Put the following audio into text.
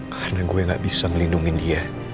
karena gue gak bisa ngelindungi dia